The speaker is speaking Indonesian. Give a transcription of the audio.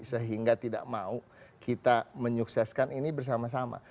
sehingga tidak mau kita menyukseskan ini bersama sama